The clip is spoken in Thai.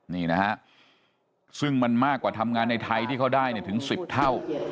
นี่นะฮะซึ่งมันมากกว่าทำงานในไทยที่เขาได้ถึง๑๐เท่า